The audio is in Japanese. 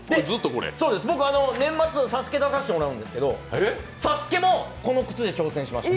僕、年末、「ＳＡＳＵＫＥ」に出させてもらうんですけど、「ＳＡＳＵＫＥ」もこの靴で挑戦しました。